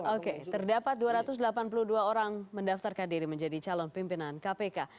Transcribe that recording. oke terdapat dua ratus delapan puluh dua orang mendaftarkan diri menjadi calon pimpinan kpk